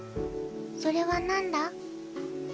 それはなんだ？